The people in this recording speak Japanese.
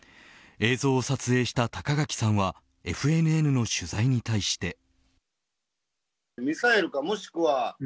映像を撮影した高垣さんはＦＮＮの取材に対して。